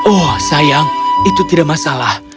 oh sayang itu tidak masalah